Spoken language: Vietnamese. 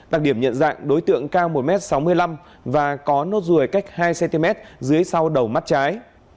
đặc điểm nhận dạng đối tượng cao một sáu mươi năm m và có nốt rùi cách hai cm dưới sau đầu mắt trái